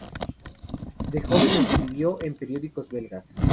De joven escribió en periódicos belgas.